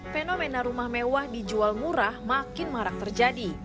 fenomena rumah mewah dijual murah makin marak terjadi